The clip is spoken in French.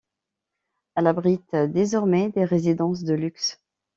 Elle abrite désormais des résidences de luxe.